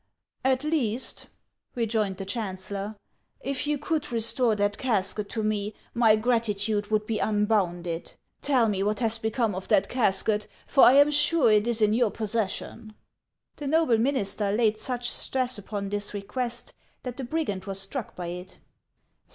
At least," rejoined the chancellor, " if you could restore that casket to me, my gratitude would be unbounded. Tell me what has become of that casket, for I am sure it is in your possession." The noble minister laid such stress upon this request that the brigand was struck by it.